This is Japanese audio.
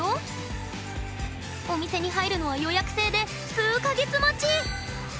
お店に入るのは予約制で数か月待ち！